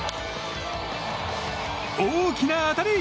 大きな当たり！